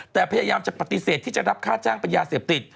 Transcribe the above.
แต่พยายามจะปฏิเสธที่จะรับค่าจ้างเป็นยาเสพติด